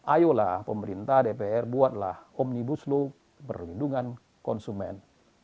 ayolah pemerintah dpr buatlah omnibus law perlindungan konsumen